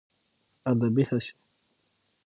ادبي هڅې